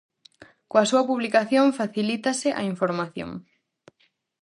Coa súa publicación facilítase a información.